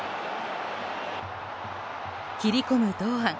切り込む堂安。